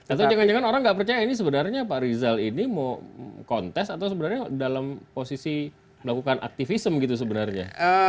atau jangan jangan orang nggak percaya ini sebenarnya pak rizal ini mau kontes atau sebenarnya dalam posisi melakukan aktivism gitu sebenarnya